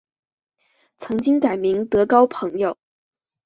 曾经改名德高朋友。